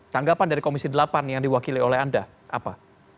tanggapan dari komisi delapan yang diwakili oleh anda apa